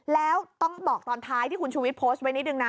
แล้วต้องบอกตอนท้ายที่คุณชูวิทย์โพสต์ไว้นิดนึงนะ